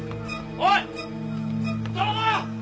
おい！